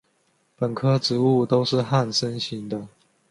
本科植物都是旱生型的。